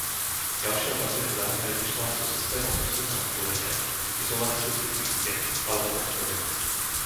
Ďalšie opatrenia zahŕňajú inštaláciu systémov ústredného kúrenia, izoláciu dutých stien alebo podkrovia.